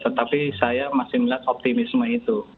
tetapi saya masih melihat optimisme itu